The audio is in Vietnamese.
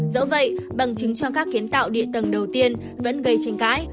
dẫu vậy bằng chứng cho các kiến tạo địa tầng đầu tiên vẫn gây tranh cãi